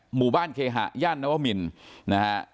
หมู่บ้านเคหะย่านนวมินนะฮะ